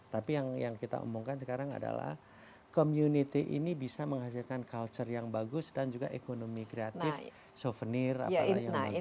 tapi yang kita omongkan sekarang adalah community ini bisa menghasilkan culture yang bagus dan juga ekonomi kreatif souvenir apalagi yang bagus